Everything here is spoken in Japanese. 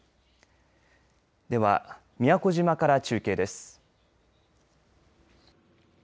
では、宮古島から中継です。